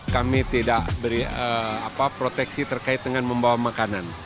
kami tidak beri proteksi terkait dengan membawa makanan